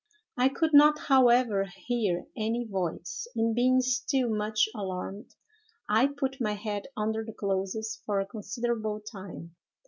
I could not, however, hear any voice; and being still much alarmed, I put my head under the clothes for a considerable time.